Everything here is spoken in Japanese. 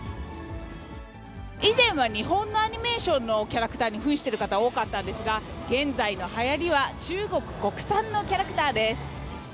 以前は日本のアニメーションのキャラクターにふんしてる方多かったんですが、現在のはやりは中国国産のキャラクターです。